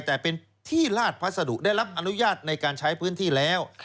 แต่เป็นที่ลาดพัสดุได้รับอนุญาตในการใช้พื้นที่แล้ว